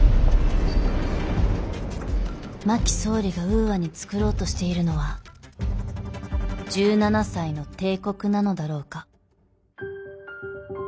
真木総理がウーアに創ろうとしているのは１７才の帝国なのだろうか。